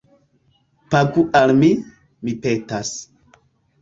Pagu al mi, mi petas